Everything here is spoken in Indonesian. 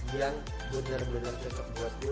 yang benar benar cocok buat dia